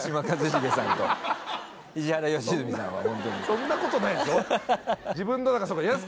そんなことないでしょ。